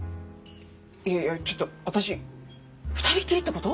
いやいやちょっと私二人きりって事？